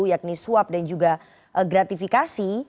yakni suap dan juga gratifikasi